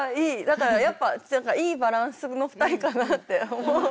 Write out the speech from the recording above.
だからやっぱいいバランスの２人かなって思う。